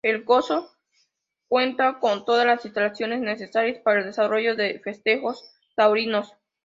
El coso cuenta con todas las instalaciones necesarias para el desarrollo de festejos taurinos.